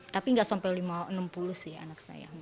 tapi nggak sampai lima enam puluh sih anak saya